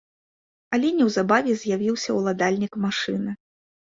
Але неўзабаве з'явіўся ўладальнік машыны.